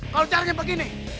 kalau caranya begini